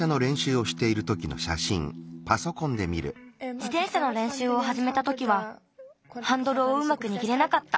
じてんしゃのれんしゅうをはじめたときはハンドルをうまくにぎれなかった。